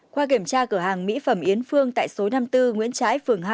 qua kiểm tra cửa hàng mỹ phẩm yến phương tại số năm mươi bốn nguyễn trãi phường hai